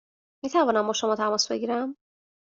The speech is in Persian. می توانم با شما تماس بگیرم؟